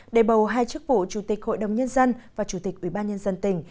để bầu hai chức vụ chủ tịch hội đồng nhân dân và chủ tịch ủy ban nhân dân tỉnh